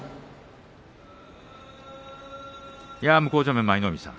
向正面の舞の海さん